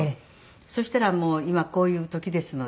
そしたら今こういう時ですのでね